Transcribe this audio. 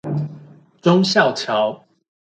忠孝橋